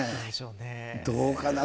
どうかな。